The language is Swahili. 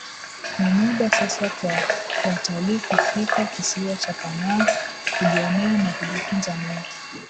Ni muda Sasa kwa watalii kufika kisiwa cha pangaa kujionea na kujifunza mengi